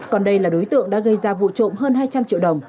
còn đây là đối tượng đã gây ra vụ trộm hơn hai trăm linh triệu đồng